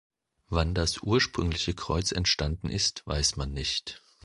Wann das ursprüngliche Kreuz entstanden ist weiß man nicht.